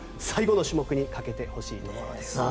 最後の種目にかけてほしいです。